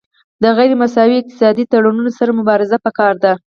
د غیر مساوي اقتصادي تړونونو سره مبارزه پکار ده